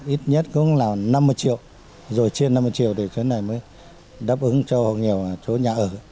ít nhất cũng là năm mươi triệu rồi trên năm mươi triệu thì cái này mới đáp ứng cho hộ nghèo chỗ nhà ở